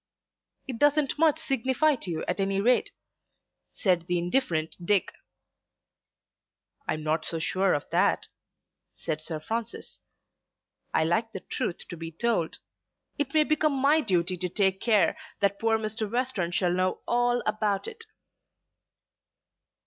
"It doesn't much signify to you at any rate," said the indifferent Dick. "I'm not so sure of that," said Sir Francis. "I like the truth to be told. It may become my duty to take care that poor Mr. Western shall know all about it."